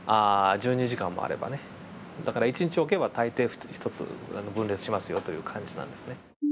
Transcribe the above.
だから１日置けば大抵１つ分裂しますよという感じなんですね。